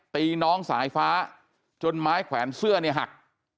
ตีน้องสายฟ้าจนไม้แขวนเสื้อเนี่ยหัก